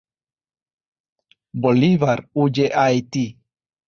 Bolívar huye a Haiti.